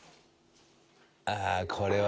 ああこれは。